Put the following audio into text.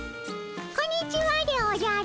こんにちはでおじゃる。